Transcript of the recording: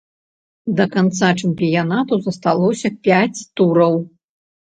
Да канца чэмпіянату засталося пяць тураў.